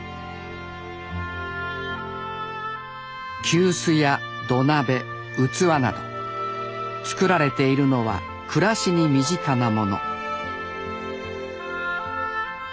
急須や土鍋器など作られているのは暮らしに身近なもの。